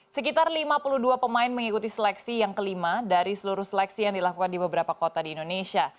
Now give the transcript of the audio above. sekitar lima puluh dua pemain mengikuti seleksi yang kelima dari seluruh seleksi yang dilakukan di beberapa kota di indonesia